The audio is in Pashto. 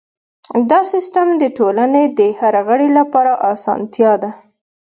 دا سیستم د ټولنې د هر غړي لپاره اسانتیا ده.